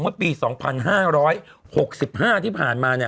ว่าปี๒๕๖๕ที่ผ่านมาเนี่ย